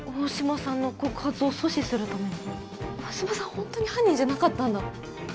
本当に犯人じゃなかったんだ